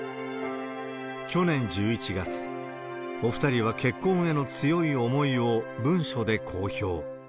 去年１１月、お２人は結婚への強い思いを文書で公表。